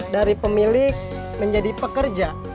dari pemilik menjadi pekerja